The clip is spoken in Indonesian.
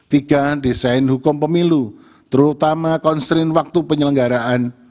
tiga desain hukum pemilu terutama konstrin waktu penyelenggaraan